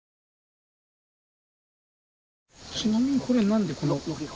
ちなみにこれ何でこんな。